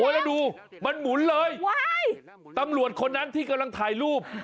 แล้วดูมันหมุนเลยตำรวจคนนั้นที่กำลังถ่ายรูป